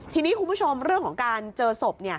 ทีนี้คุณผู้ชมเรื่องของการเจอศพ